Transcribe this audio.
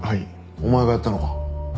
お前がやったのか？